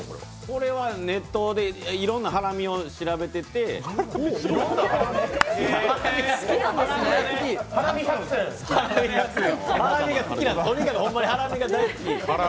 これはネットでいろんなハラミを調べててハラミが好きなんです、とにかくホンマにハラミが大好き。